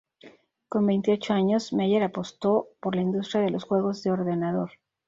Con veintiocho años, Meier apostó por la industria de los juegos de ordenador.